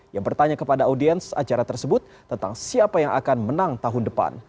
yang bertanya kepada audiens acara tersebut tentang siapa yang akan menang tahun depan